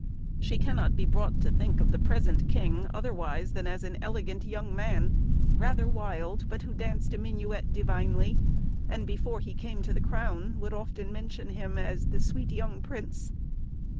She cannot be brought to think of the present king otherwise than as an elegant young man, rather wild, but who danced a minuet divinely; and before he came to the crown, would often mention him as the "sweet young prince."